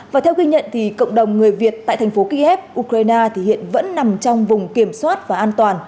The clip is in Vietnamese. và theo ghi nhận thì cộng đồng người việt tại thành phố kiev ukraine thì hiện vẫn nằm trong vùng kiểm soát và an toàn